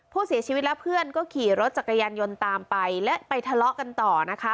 ผู้เสียชีวิตและเพื่อนก็ขี่รถจักรยานยนต์ตามไปและไปทะเลาะกันต่อนะคะ